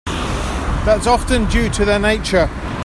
That's often due to their nature.